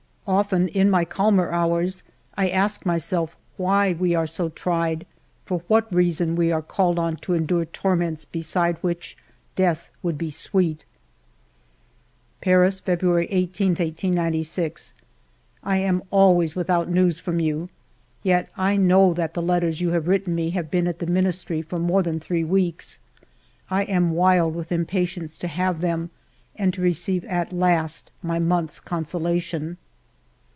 ... 200 FIVE YEARS OF MY LIFE " Often, in my calmer hours, I ask myself why we are so tried, for what reason we are called on to endure torments beside which death would be sweet." ... '•'Paris, February i 8, 1896. " I am always without news from you. Yet I know that the letters you have written me have been at the Ministry for more than three weeks. I am wild with impatience to have them and to receive at last my month's consolation."